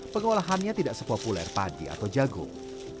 pengolahannya tidak sepopuler padi atau jagung